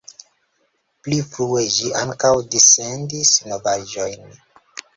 Pli frue ĝi ankaŭ dissendis novaĵojn.